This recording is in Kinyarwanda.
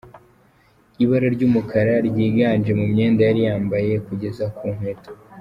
Ibara ry'umukara ryiganje mu myenda yari yambaye kugeza ku nkweto.